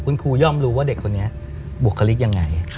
พอทำรู้ว่าเด็กคนนี้บุรุษคลิกยังไง